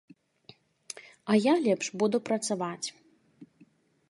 А я лепш буду працаваць.